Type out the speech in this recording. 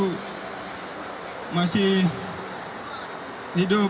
saya juga masih hidup